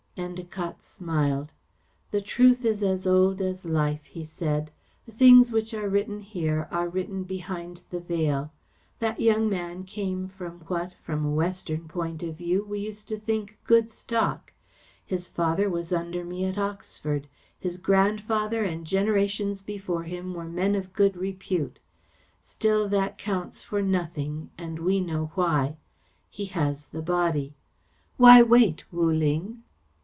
Endacott smiled. "The truth is as old as life," he said. "The things which are written here are written behind the veil. That young man came from what, from a Western point of view, we used to think good stock. His father was under me at Oxford. His grandfather and generations before him were men of good repute. Still, that counts for nothing, and we know why. He has the Body. Why wait, Wu Ling?"